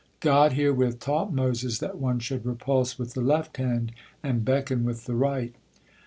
God herewith taught Moses that one should repulse with the left hand, and beckon with the right.